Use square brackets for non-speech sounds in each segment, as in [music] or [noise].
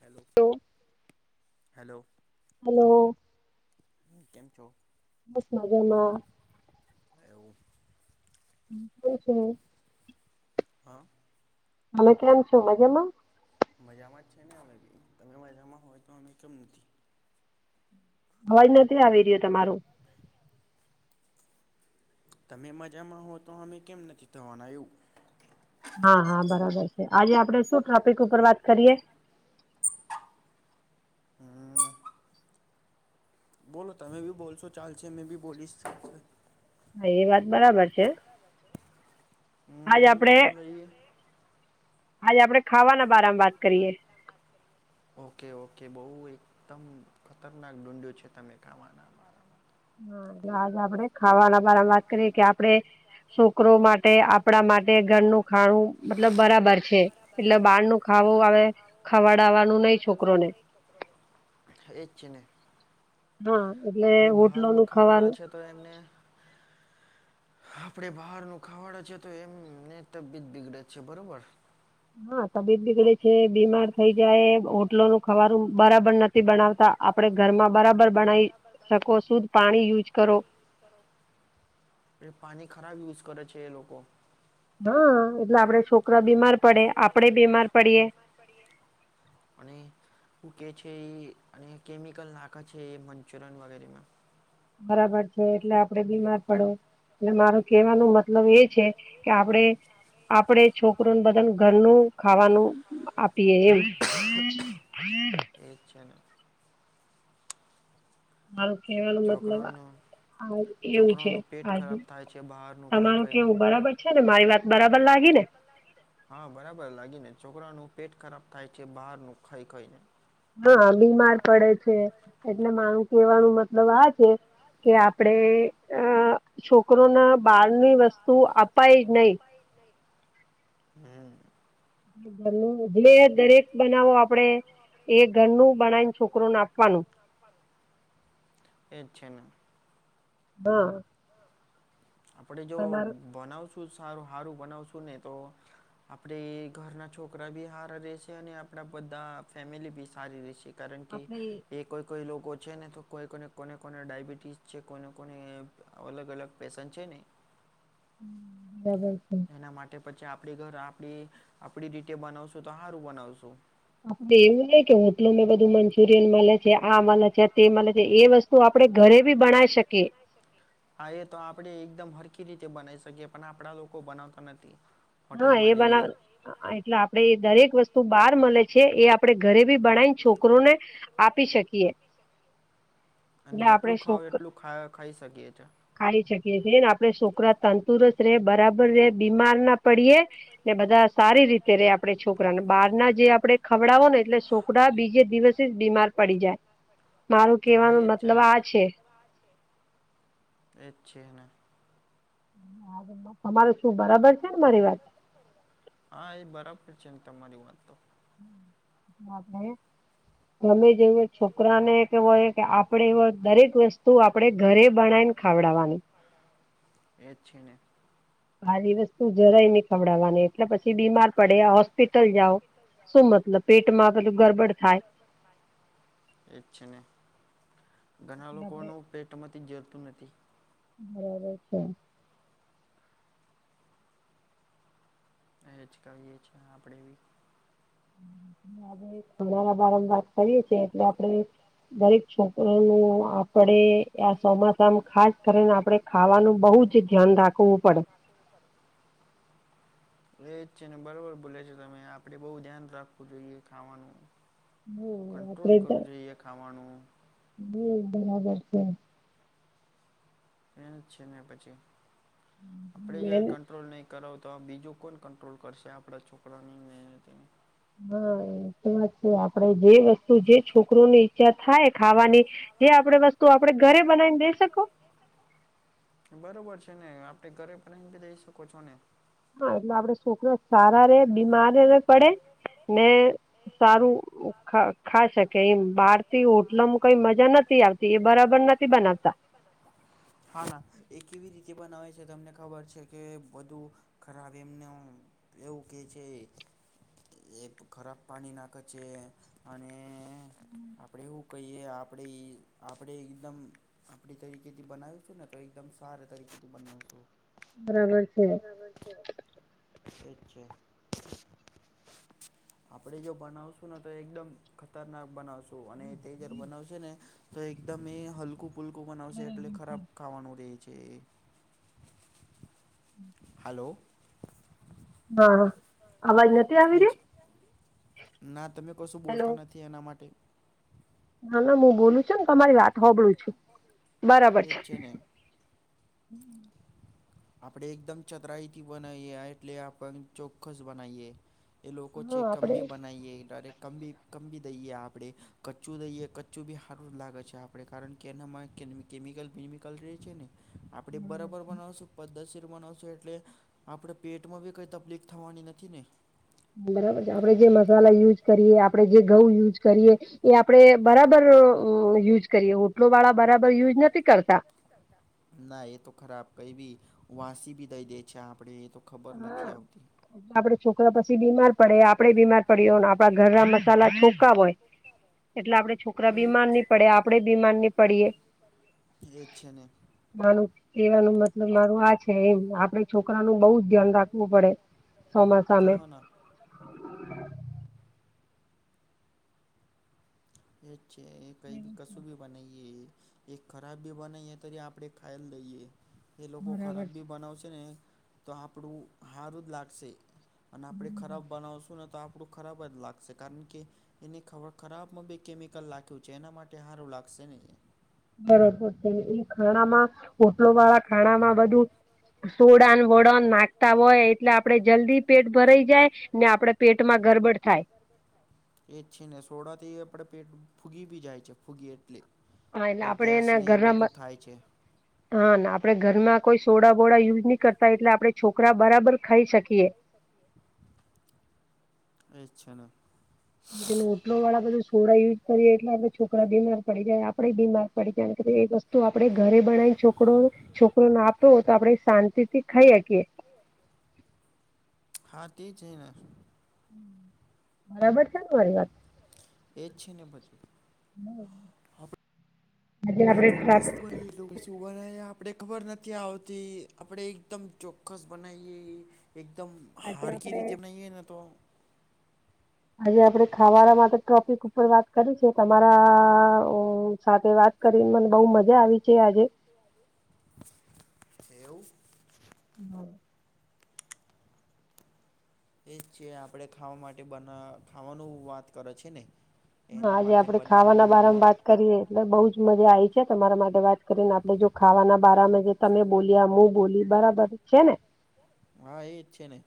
Hello! Hello! Hello! કેમ છો? બસ મજામાં. ને એવું [unintelligible] છે હ અ હેલો! કેમ છો મજામાં? મજામાં જ છે ને અમે ભી. તમે મજામાં હોય તો અમે કેમ નથી. અવાજ નથી આવી રહ્યો તમારું. તમે મજામાં હો તો અમે કેમ નથી થવાના એવું. હા, હા, બરાબર છે. આજે આપડે શું ટોપિક ઉપર વાત કરીએ? બોલો તમે ભી બોલશો ચાલશે. મેં ભી બોલીશ ચાલશે. હા એ વાત બરાબર છે. આજ આપડે આાજે આપડણે ખાવાના બારામાં વાત કરીએ. ઓકે. ઓકે. બહુ એકદમ ખતરનાક ડુંડ્યું છે તમે ખાવાના બારામાં. હા, આજ આપણેે ખાવાના વાત કરીએ કે આપણે શોકરો માટે, આપણા માટે ઘરનું ખાણું મતલબ બરાબર છે. એટલે બહારનું ખાવું આવે ખવાડવાનું નહી છોકરોને. એ જ છે ને. હા એટલે હોટલો નું ખાવાનું તો એમને આપડે બહારનું ખાવાડ છે તો એમને તબિયત બિગડે છે બરોબર હા તબીત બીગડે છે બીમાર થઈ જાય હોટલો નું ખવાનું બરાબર નથ નથી બનાવતા આપણે ઘરમાં બરાબર બનાવી શકો શુદ્ધ પાણી યુઝ કરો કરો એ પાણી ખરાબ યુઝ કરે છે એ લોકો હા એટલે આપડે છોકરા બીમાર પડે આપડે બીમાર પડીએ પડીએ અને શું કે છે એ અને કેમિકલ નાખે છે એ મંચુરિયન વગેરે માં બરાબર છે એટલે આપડે બીમાર પડો ને મારું કેવાનું મતલબ એ છે કે આપડે આપડે છોકરોને બધાન ઘરનું ખાવાનું આપીયે એમ હમ એ છેને મારૂ કેવાનું મતલબ આ એવું છે [unintelligible] તમારું કેવું બરાબર છે ને મારી વાત બરાબર લાગી ને. હા બરાબર લાગી ને છોકરાનું પેટ ખરાબ થાય છે. બહાર નું ખાઈ ખાઈ ને હા બીમાર પડે છે. એટલે મારૂં કેવાનું મતલબ આ છે કે આપડે અ છોકરો ન બારની વસ્તુ અપાઈ જ ને હમ જે દરેક બનાવો આપડે એ ઘરનું બનાઈને છોકરોને આપવાનું. એજ છેને હા આપડે જો ભણાવશુ સારુ હારુ ભણાવશું નેતો આપડે ઘરના છોકરા બી હારા રેશે અને આપડા બધા ફેમિલી બી સારી રેશે કારણ કે એક કોઈ કોઈ લોકો છે ને તો કોઈ કોને કોને ડાયબિટીસ છે કોઈને કોઈને અલગ અલગ પેશન્ટ છે ને બરાબર છે એના માટે પછી આપણી ઘર આપણી આપણી રીતે બનાવશું તો હારું બનાવશું. આપડે એવું નઈ કે હોટલમાં બધે મંચુરિયનમલે ત્યાં આ મલે છે તે મલે છે એ વસ્તુ આપણે ઘરે બી બનાવી શકીએ હ એ તો આપણે એકદમ હરખી રીતે બનાઈ શકીએ પણ આપણા લોકો બનાવતા નથી હા એ બનાવ એટલે આપડે એ દરેક વસ્તુ બહાર મલે છે એ આપણેે ઘરે બી બનાયીને છોકરોને આપી શકીએ અને જેટલું ખાવ એટલું ખાઈ શકીએ છીએ ખાઈ શકીએ ને આપડે છોકરા તંદુરસ્ત રહે બરાબર રે બીમાર ના પડીએ ને બધા સારી રીતે રે આપણે છોકરાને બાર ના જે આપણે ખવડાવો ને એટલે છોકડા બીજે દિવસે જ બીમાર પડી જાય હા એ જ છે ને એ જ છેને અમારે શું બરાબર છે ને મારી વાત હા એ બરાબર છે તમારી વાત તો [unintelligible] ગમે તેને છોકરાને હોય કે આપડે હોય એ દરેક વસ્તુ આપડે ઘરે બનાય ખવડાવવાની એજ છે ને બારની વસ્તુ જરાય નઈ ખવડાવવાને એટલે પછી બીમાર પડે હોસ્પિટલ જાઓ શું મતલબ પેટમાં બધુ ગરબડ થાય [unintelligible] એ જ છે ને ઘણા લોકોનું પેટમાંથી જલતું નથી બરાબર છે. એ જ કહીએ છીએ આપણેે બી ઘરા બારમાં વાત કરીએ છીએ એટલે આપડે દરેક છોકરો ને આપડે આ ચોમાસામાં ખાસ કરીને આપડે ખાવાનું બહુ જ ધ્યાન રાખવું પડે. [inaudible] એ જ છે ને બરોબર બોલે છે તમે આપણે બહુ ધ્યાન રાખવું જોઈએ ખાવાનું કંટ્રોલ કરવું જોઈએ ખાવાનું હમ્મ બરાબર છે. છે ને પછી આપણે જોએ કંટ્રોલ નહી. કરો તો આ બીજું કોણ કંટ્રોલ કરશે આપણા છોકરાની ને કે બરોબર તે વસ્તુ આપડે જે વસ જે છોકરો ની ઈચ્છા થાય ખાવાની જે આપણે વસ્તુ આપણે ઘરે બનાવીને દઈ શકો બરોબર છે ને આપડે ઘરે બનાવી બી દઈ શકો છો ને હા એટલે આપડે સારા રે બીમાર પણ ના પડેને સારું ખા ખાઈ શકે એ બાર થી હોટલોમાં કઈ મજા નથી આવતી એ બરાબર નથી બનાવતા હા એ કેવી રીતે બનાવે છે તમને ખબર છે કે બધું ખરાબ એમને એવું કેહે છે. એક ખરાબ પાણી નાખે છે અને આપડે એવું કઈએ આપણે આપણે એકદમ આપણી તરીકે થી બનાવશું ને તો એકદમ સારા તરીકેથી બનાવશું બરાબર છે. બરાબર છે ઠીક છે. આપણે જો બનાવશું ને તો એકદમ ખતરનાક બનાવશું અને તેજલ બનાવશું ને તો એકદમ એ હલકું ફુલકું બનાવશે એટલે ખરાબ ખાવાનું રહે છે એ હલો. હા. એજ ના તમે કશું બોલતા નથી એના માટે હાલો હું બોલું છું તમારી વાત હોબળું છું બરાબર છે. આપણે એકદમ ચતરાઈથી બનાવીએ એટલે આપણ ચોખસ બનાવીએ એ લોકો ચેક કમ બી બનાઈએ ડાયરેક કમ બી કબી દઈએ આપણે કચું દઈએ કચ્ચું બી સારું લાગે છે આપણે કારણ કે એનામાં કે કેમિકલ પેમિકલ રહે છે ને આપણે બરાબર બનાવશું પદ્ધત શીર બનાવશો એટલે આપણે પેટમાં બી કઈ તકલીફ થવાની નથી ને બરાબર છે આપડે જે મસાલા યુઝ કરીએ આપડે જે ઘઉં યુઝ કરીએ એ આપડે બરાબર યુઝ કરીએ હોટલો વાળા બરાબર યુઝ નથી કરતા કરતા ના એ તો ખરાબ કઈ બી વાસી બી દઈ દે છે. આપણેે એ તો. હા. આપડે છોકરા પછી બીમાર પડે. આપડે બીમાર પડીએ. હોને આપડા ઘર ના મસાલા ચોકા હોય. બરાબર. એટલે આપડે છોકરા બીમાર નહી પડે આપડે બીમાર નહી પડીએ. માનું એવાનું મતલબ મારું આ છે એમ! આપડે છોકરાનું બઉ જ ધ્યાન રાખવું પડે સામા સામે. એ છે કઈ ભી કસુભી બનાઈએૈ. એક ખરાબ બી બનાવીએ ત આપણે ખાઈ જ લઈએ. એ લોકો ખરાબ બી બનાવશે ને તો આપણું હારું જ લાગશે, અને આપણે ખરાબ બનાવશું આપણું ખરાબ જ લાગશે. કારણ કે એ ખરાબ બી કેમિકલ લાખીયુ છે એના માટે સારું લાગશે નહીં. બરોબર છે. એ ખાણામાં હોટલો વાળા ખાણા માં બધું સોડાન વોડાન નાખતા હોય એટલે આપણે જલ્દી પેટ ભરાઈ જાય. ને આપડે પેટમાં ગડબડ થાય. એ જ છે ને સોડાથી આપણે પેટ ફૂગી બી જાય છે. ફૂગી એટલે એ ગેસ ને એ બધું થાય છે. હા આપડે ઘર માં કોઈ સોડા બોડા યુઝ નહી કરતા એટલે આપણે છોકરા બરાબર ખાઈ શકીએ. એજ છે ને. ઓટલો વાળા બધું સોડા યુઝ કરીએ એટલે આપણે છોકરા બીમાર પડી જાય, આપડે બીમાર પડી જાય એક વસ્તુ તો આપડે ઘરે બનાવી છોકરો છોકરો નાતો તો આપદે શાંતિથી ખાઈ હકીએ. હા તે છે ને. બરાબર છે ને મારી વાત? હમ. એ ચોક્કસ ભઈએ શું બનાવી આપણે ખબર નથી આવતી આપણે એકદમ ચોક્કસ બનાવીએ. એકદમ હારકી રીતે બનાઇએ ને તો હજી આપડે ખાવાડા માટે ટોપિક ઉપર વાત કરૂ છે તમારા સાથે વાત કરીને મને બહ મજા આવી છે આજે. એવુ. હમ. એ જ છે આપણે ખાવા માટે બના ખાવાનું વાત કરે છે ને. હા આજે આપડે ખાવાના બારામા બાદ કરીએ, એટલે બઉુ જ મજા આવી છે. તમારા માટે વાત કરીને આપણે જો ખાવાના બારામાં તમે બોલ્યા મું બોલી બરાબર છે ને. હા એ જ છે ને.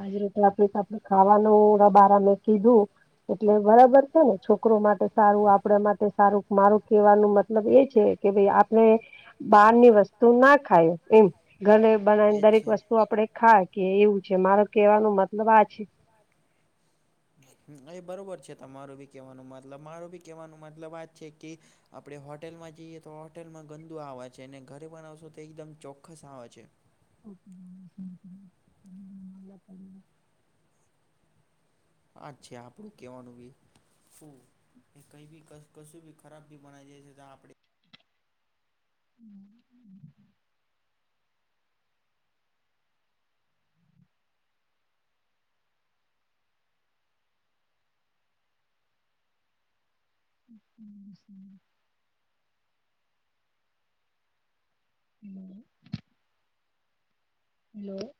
આજ રીતે આપડી આપડ ખાવાનું બારામાં કીધું, એટલે બરાબર. ને છોકરો માટે સારું. આપડે માટે સારું. મારું કેવાનું મત લબ એ છે કે ભઈ આપણે બહારની વસ્તુ ના ખાય એમ ઘને બનાવીને દરેક વસ્તુ આપે ખાય. કે એવું છે મારો કેવાનો મતલબ આ છે. એ બરોબર છે. તમારું બી કહેવાનો મતલબ મારું ભી કેહેવાનો મતલબ વાત છે કે આપડે હોટેલમાં જઈએ તો હોટેલમાં ગંદુ આવે છે. અને ઘરે બનાવશો તો એકદમ ચોક્કસ આવે છે. ઓ પડી [unintelligible] [inaudible] આજ છે આપણું કેવાનું ભી ફુ. એ કઈ બી કશ કશું બી ખરાબ ભી બનાઈ દે છે તો આપડે હમ્મ હમ્મ. [inaudible] હલો.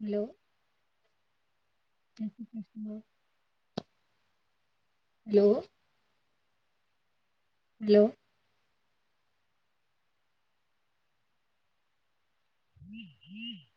હલો. જય શ્રી કૃષ્ણ. હેલો. હલો. [inaudible]